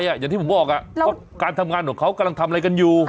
อย่างที่ผมบอกการทำงานของเขากำลังทำอะไรกันอยู่